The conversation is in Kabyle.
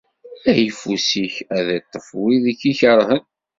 Ayeffus-ik ad iṭṭef wid i k-ikerhen.